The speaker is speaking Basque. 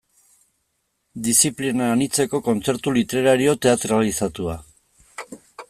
Diziplina anitzeko kontzertu literario teatralizatua.